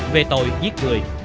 về tội giết người